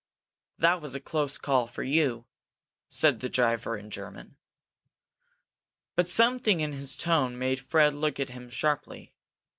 "That was a close call for you!" said the driver, in German. But something in his tone made Fred look at him sharply.